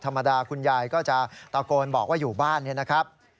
ธรรมดาคุณยายก็จะตะโกนบอกว่าอยู่บ้านเนี่ยนะครับ